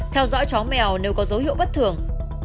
theo dõi chó mèo nếu có dấu hiệu bất thường